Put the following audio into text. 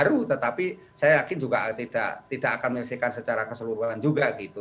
baru tetapi saya yakin juga tidak akan menyelesaikan secara keseluruhan juga gitu